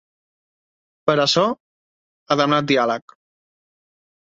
Per açò, ha demanat “diàleg”.